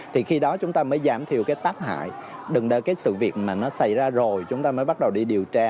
thì khi đó chúng ta mới giảm thiểu cái tác hại đừng để cái sự việc mà nó xảy ra rồi chúng ta mới bắt đầu đi điều tra